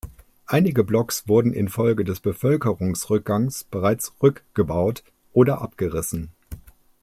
Einige Blocks wurden infolge des Bevölkerungsrückgangs bereits rückgebaut oder abgerissen.